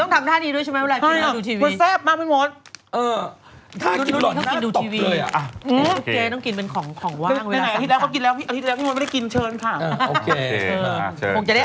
ต้องทำท่าดีด้วยใช่ไหมเวลากินแล้วดูทีวี